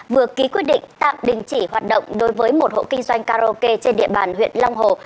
vừa ký quyết định tạm đình chỉ hoạt động đối với một hộ kinh doanh karaoke trên địa bàn huyện long hồ